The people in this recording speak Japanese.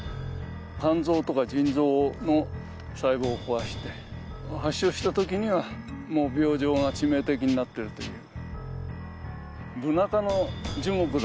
肝臓とか腎臓の細胞を壊して発症した時には、もう病状が致命的になっているという。